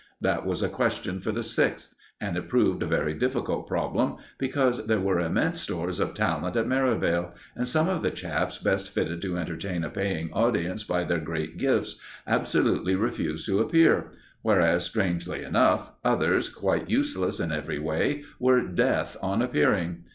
That was a question for the Sixth, and it proved a very difficult problem, because there were immense stores of talent at Merivale, and some of the chaps best fitted to entertain a paying audience by their great gifts absolutely refused to appear; whereas, strangely enough, others, quite useless in every way, were death on appearing.